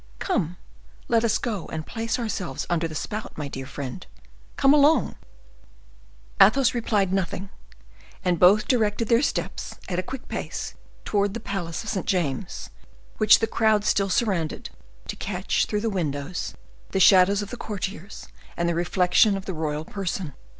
Come, let us go and place ourselves under the spout, my dear friend! Come along." Athos replied nothing; and both directed their steps, at a quick pace, towards the palace of St. James's, which the crowd still surrounded, to catch, through the windows, the shadows of the courtiers, and the reflection of the royal person.